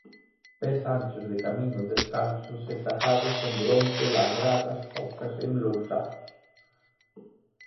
Pés anchos de camiños descalzos e chagados onde onte labradas zocas en lousados.